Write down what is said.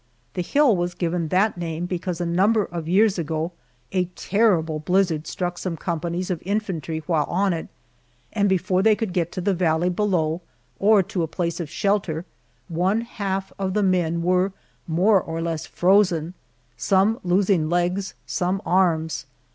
The hill was given that name because a number of years ago a terrible blizzard struck some companies of infantry while on it, and before they could get to the valley below, or to a place of shelter, one half of the men were more or less frozen some losing legs, some arms.